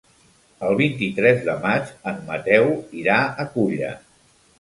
El vint-i-tres de maig en Mateu irà a Culla.